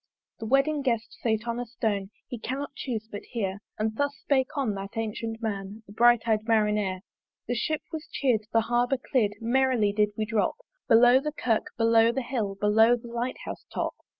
The wedding guest sate on a stone, He cannot chuse but hear: And thus spake on that ancyent man, The bright eyed Marinere. The Ship was cheer'd, the Harbour clear'd Merrily did we drop Below the Kirk, below the Hill, Below the Light house top.